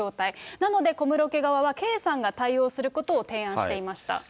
なので、小室家側は圭さんが対応することを提案していました。